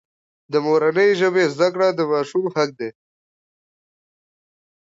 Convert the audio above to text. د مورنۍ ژبې زده کړه د ماشوم حق دی.